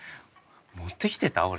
持ってきてた？